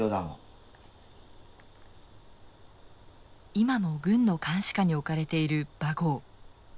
今も軍の監視下に置かれているバゴー。